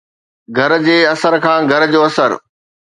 گھر جي اثر کان گھر جو اثر